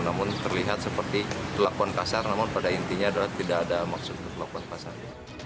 namun terlihat seperti perlakuan kasar namun pada intinya tidak ada maksud perlakuan kasar